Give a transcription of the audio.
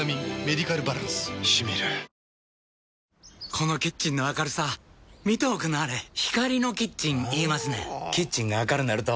このキッチンの明るさ見ておくんなはれ光のキッチン言いますねんほぉキッチンが明るなると・・・